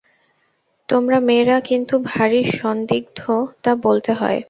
তোমরা মেয়েরা কিন্তু ভারি সন্দিগ্ধ তা বলতে হয়।